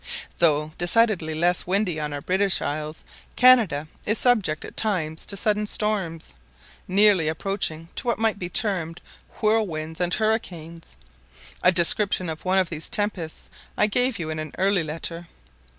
Though decidedly less windy than our British isles, Canada is subject at times to sudden storms, nearly approaching to what might be termed whirlwinds and hurricanes. A description of one of these tempests I gave you in an early letter.